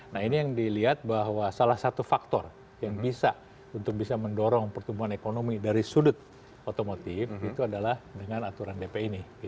nah ini yang dilihat bahwa salah satu faktor yang bisa untuk bisa mendorong pertumbuhan ekonomi dari sudut otomotif itu adalah dengan aturan dp ini